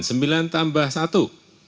sembilan tambah satu